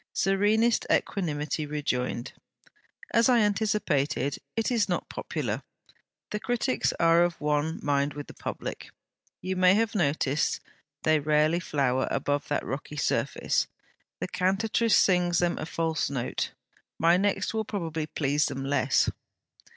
Serenest equanimity rejoined: 'As I anticipated, it is not popular. The critics are of one mind with the public. You may have noticed, they rarely flower above that rocky surface. THE CANTATRICE sings them a false note. My next will probably please them less.'